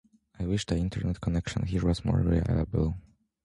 I wish the internet connection here was more reliable.